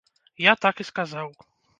Я так і сказаў.